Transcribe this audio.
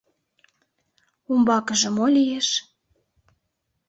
— Умбакыже мо лиеш?